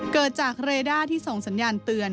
เกิดจากเรด้าที่ส่งสัญญาณเตือน